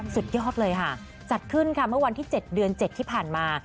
สุดยอดเลยค่ะจัดขึ้นค่ะเมื่อวันที่๗เดือน๗ที่ผ่านมา